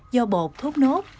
do bột thốt nốt